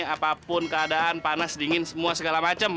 apapun keadaan panas dingin semua segala macam